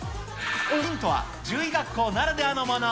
ヒントは獣医学校ならではのもの。